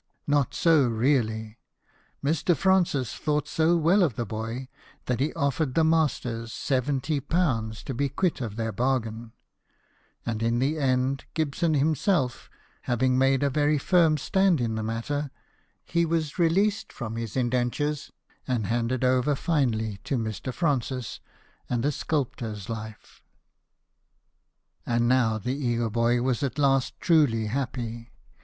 Not so, really : Mr. Francis thought so well of the boy that he offered the masters 70 to be quit of their bargain ; and in the end, Gibson himself having made a very firm stand in the matter, he was released from his indentures and handed over finally to Mr. Francis and a sculptor's life. And now the eager boy was at last " truly happy."